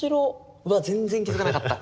うわ全然気付かなかった。